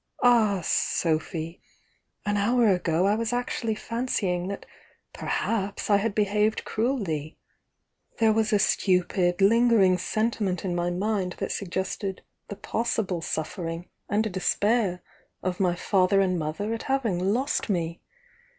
Ah, Sophy! An hour ago I was actually fancying that perhaps I had behaved cru elly, — there was a stupid, lingering sentiment in my mind that suggested the possible suffering and de spair of my father and mother at having lost me!